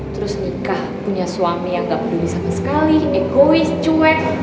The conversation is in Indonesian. terus nikah punya suami yang gak peduli sama sekali egois cuek